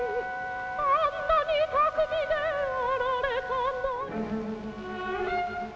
「あんなに巧みであられたのに」